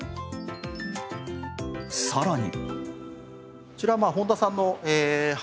さらに。